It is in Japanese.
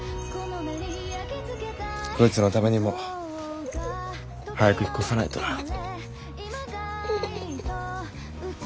こいつのためにも早く引っ越さないとな。